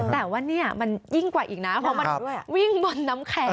แต่ว่าเนี่ยมันยิ่งกว่าอีกนะเพราะมันวิ่งบนน้ำแข็ง